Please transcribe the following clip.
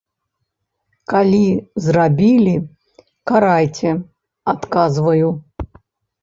Калі зрабілі, карайце, адказваю.